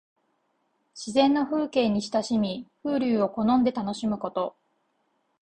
自然の風景に親しみ、風流を好んで楽しむこと。